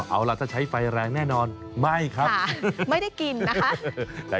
เอาล่ะถ้าใช้ไฟแรงแน่นอนไม่ครับไม่ได้กินนะคะ